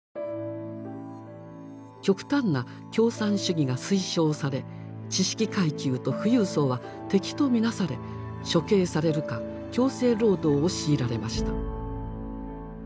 極端な共産主義が推奨され知識階級と富裕層は敵と見なされ処刑されるか強制労働を強いられました。